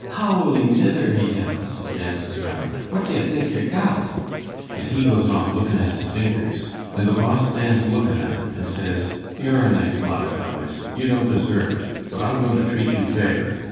'Howly Mither!' he yells, and dances round, 'what do ye think yer got?' and he goes off lookin' at his fingers, and the Boss stands lookin' at 'em, and says, 'You'r a nice lot of fellers, you don't deserve it; but I'm goin' to treat you fair.